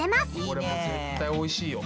これも絶対おいしいよ。